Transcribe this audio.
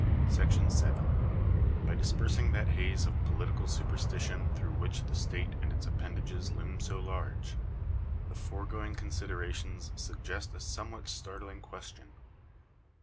§7. By dispersing that haze of political superstition through j which the state and its appendages loom so large, the fore i going considerations suggest a somewhat startling question.